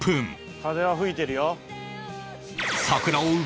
風は吹いてるよ。